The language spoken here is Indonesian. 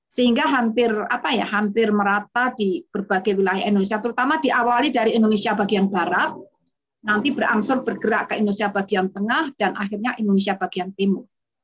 sehingga hampir merata di berbagai wilayah indonesia terutama diawali dari indonesia bagian barat nanti berangsur bergerak ke indonesia bagian tengah dan akhirnya indonesia bagian timur